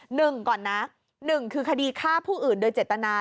หนึ่งก่อนนะหนึ่งคือคดีฆ่าผู้อื่นโดยเจตนา